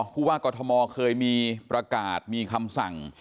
ผู้ว่ากรทมเคยมีประกาศมีคำสั่ง